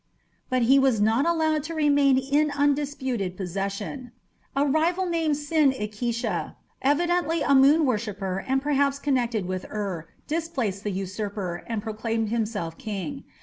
But he was not allowed to remain in undisputed possession. A rival named Sin ikisha, evidently a moon worshipper and perhaps connected with Ur, displaced the usurper, and proclaimed himself king.